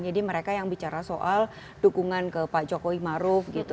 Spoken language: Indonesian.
jadi mereka yang bicara soal dukungan ke pak jokowi maruf gitu